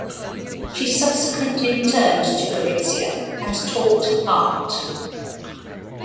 She subsequently returned to Gorizia and taught art.